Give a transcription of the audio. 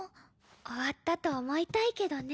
終わったと思いたいけどね。